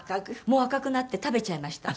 もう赤くなって食べちゃいました。